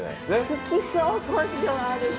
好きそう根性ある人。